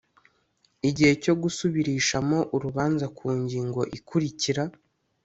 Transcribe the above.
gihe cyo gusubirishamo urubanza kungingo ikurikira